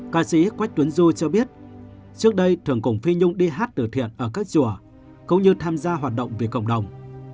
ca sĩ quách tuấn du cho biết trước đây thường cùng phi nhung đi hát từ thiện ở các chùa cũng như tham gia hoạt động vì cộng đồng